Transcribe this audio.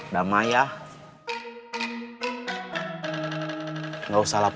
uang ibu kan udah saya ganti